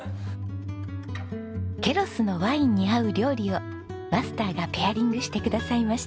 ケロスのワインに合う料理をマスターがペアリングしてくださいました。